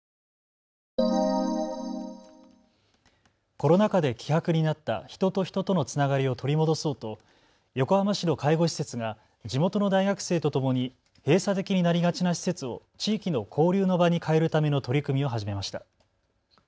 コロナ禍で希薄になった人と人とのつながりを取り戻そうと横浜市の介護施設が地元の大学生とともに閉鎖的になりがちな施設を地域の交流の場に変えるための取り組みを始めました。